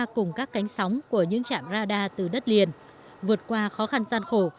sau thoa cùng các cánh sóng của những trạm radar từ đất liền vượt qua khó khăn gian khổ